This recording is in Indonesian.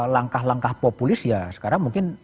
langkah langkah populis ya sekarang mungkin